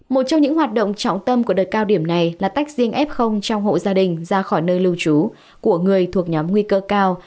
một trong những hoạt động trọng tâm của đợt cao điểm này là tách riêng f trong hộ gia đình ra khỏi nơi lưu trú của người thuộc nhóm nguy cơ cao